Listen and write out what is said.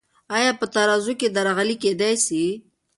آیا په ترازو کې درغلي کیدی سی؟